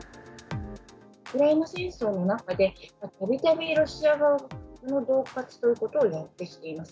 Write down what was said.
ウクライナ戦争の中で、たびたびロシア側は、核のどう喝ということをやってきています。